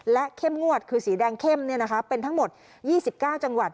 และเข้มงวดคือสีแดงเข้มเป็นทั้งหมด๒๙จังหวัด